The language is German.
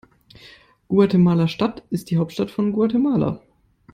Guatemala-Stadt ist die Hauptstadt von Guatemala.